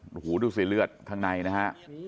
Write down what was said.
ดูสิเลือดข้างในนะฮะ